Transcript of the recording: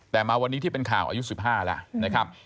แต่มาวันนี้ที่เป็นข่าวอายุ๑๕แล้วนะครับ